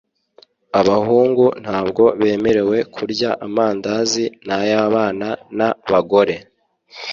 abahungu ntabwo bemerewe kurya amandazi nayabana na bagore